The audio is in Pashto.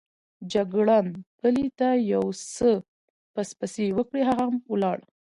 جګړن پلي ته یو څه پسپسې وکړې، هغه هم ولاړ.